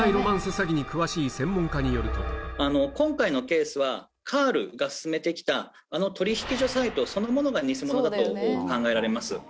詐欺に詳しい今回のケースはカールが勧めて来た取引所サイトそのものが偽物だと考えられます。